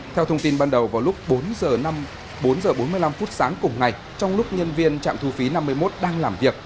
theo thông tin ban đầu vào lúc bốn h bốn mươi năm sáng cùng ngày trong lúc nhân viên trạm thu phí năm mươi một đang làm việc